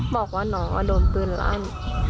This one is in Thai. บอกว่าน้องโดนปืนลั่น